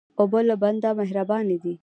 اوبه له بنده مهربانې دي.